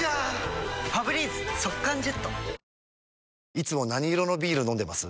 いつも何色のビール飲んでます？